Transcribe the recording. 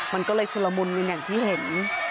มันก็เลยชุลมุนกันอย่างที่เห็น